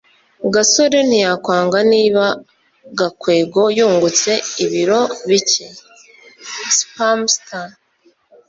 gasore ntiyakwanga niba gakwego yungutse ibiro bike. (spamster